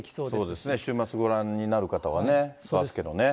そうですね、週末ご覧になる方はね、バスケのね。